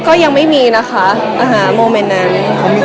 ขออย่างอย่างกินแบบอย่างดันอย่างปลางสิเม้ย